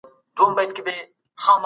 تاسو به د خپل بدن د سلامتۍ شکر کوئ.